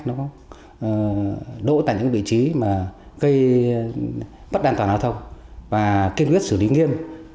nó đổ tại những vị trí gây bất an toàn hóa thông và kiên quyết xử lý nghiêm